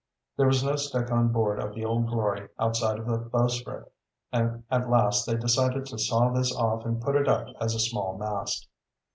There was no stick on board of the Old Glory outside of the bowsprit, and at last they decided to saw this off and put it up as a small mast.